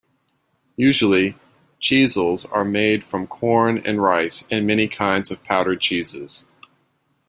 Usually, Cheezels are made from corn and rice and many kinds of powdered cheeses.